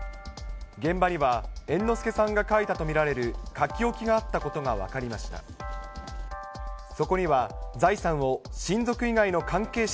現場には猿之助さんが書いたと見られる書き置きがあったことが分時刻は６時５５分。